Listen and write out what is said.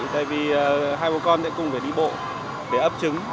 tại vì hai bộ con sẽ cùng đi bộ để ấp trứng